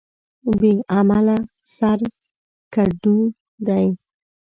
بې عمله سر کډو دى.